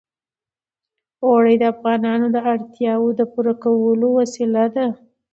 اوړي د افغانانو د اړتیاوو د پوره کولو وسیله ده.